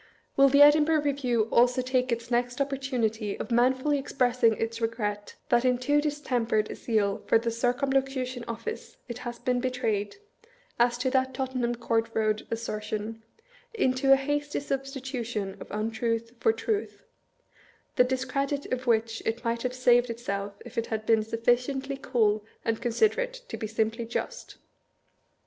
Will the Edinburgh Review also take its next opportunity of manfully expressing its regret that in too distempered a zeal for the Circumlocution Office it has been betrayed, as to that Tottenham Court Eoad assertion, into a hasty sub stitution of untruth for truth; the discredit of which it might have saved itself if it had been sufficiently cool and considerate to be simply just?